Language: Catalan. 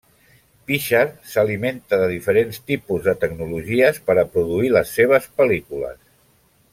Pixar s’alimenta de diferents tipus de tecnologies per a produir les seves pel·lícules.